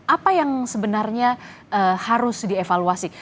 apa yang sebenarnya harus dievaluasi